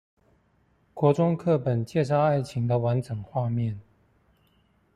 國中課本介紹愛情的完整畫面